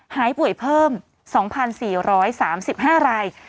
หายป่วยเพิ่ม๒๔๓๕ราย